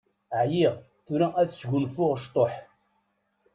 Ɛyiɣ, tura ad sgunfuɣ ctuḥ.